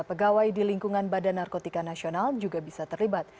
pegawai di lingkungan badan narkotika nasional juga bisa terlibat